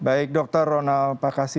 baik dokter ronald pak kassi